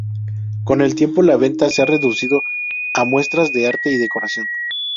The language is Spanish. Con el tiempo la venta se ha reducido a muestras de arte y decoración.